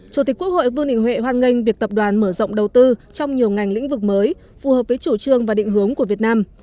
chủ tịch quốc hội vương đình huệ hoan nghênh việc tập đoàn mở rộng đầu tư trong nhiều ngành lĩnh vực mới phù hợp với chủ trương và định hướng của việt nam